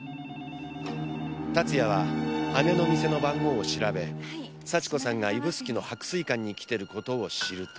龍哉は姉の店の番号を調べ幸子さんが指宿の白水館に来てる事を知ると。